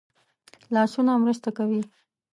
لاسونه مرسته کوي